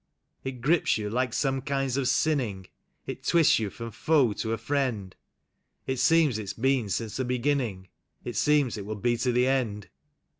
It grips you like some kinds of sinning; It twists you from foe to a friend; It seems it's beeli since the beginning; It seems it will be to the end.